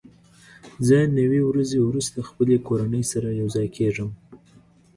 زه نوي ورځې وروسته خپلې کورنۍ سره یوځای کېږم.